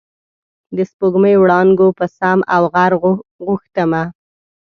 د سپوږمۍ وړانګو په سم او غر غوښتمه